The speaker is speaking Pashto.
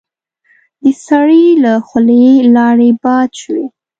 د سړي له خولې لاړې باد شوې.